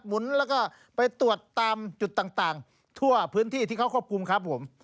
หุนแล้วก็ไปตรวจตามจุดต่างทั่วพื้นที่ที่เขาควบคุมครับผม